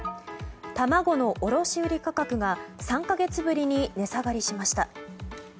卵の卸売価格が３か月ぶりに値下がりしました。